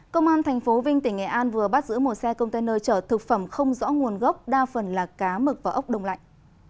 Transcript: công an tp vinh tỉnh nghệ an vừa bắt giữ một xe container chở thực phẩm không rõ nguồn gốc đa phần là cá mực và ốc đông lạnh